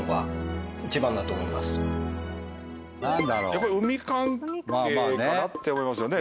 やっぱり海関係かなって思いますよね。